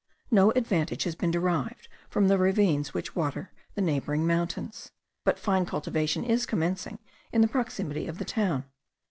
No advantage has been derived from the ravines which water the neighbouring mountains; but fine cultivation is commencing in the proximity of the town.